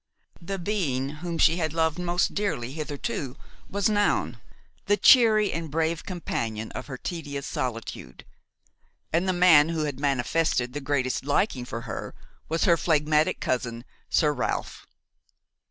The being whom she had loved most dearly hitherto was Noun, the cheery and brave companion of her tedious solitude; and the man who had manifested the greatest liking for her was her phlegmatic cousin Sir Ralph.